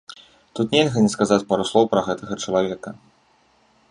Тут нельга не сказаць пару слоў пра гэтага чалавека.